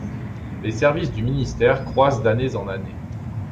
Les services du ministère croissent d'années en années.